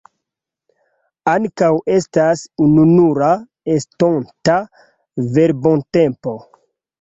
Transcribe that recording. Ankaŭ estas ununura estonta verbotempo.